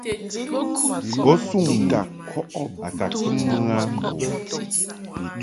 Bo suŋ nu a ka tum mɨ a mbo u.